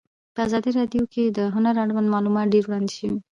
په ازادي راډیو کې د هنر اړوند معلومات ډېر وړاندې شوي.